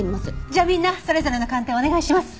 じゃあみんなそれぞれの鑑定をお願いします。